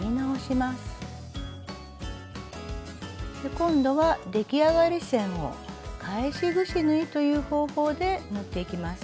今度は出来上がり線を「返しぐし縫い」という方法で縫っていきます。